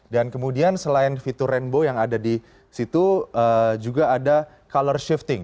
dan kemudian selain fitur rainbow yang ada di situ juga ada color shifting